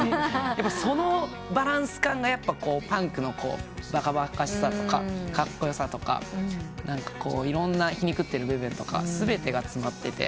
そのバランス感がパンクのバカバカしさとかカッコよさとかいろんな皮肉ってる部分とか全てが詰まってて。